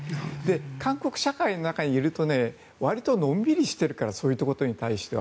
韓国社会の中にいるとわりとのんびりしているからそういったことに対しては。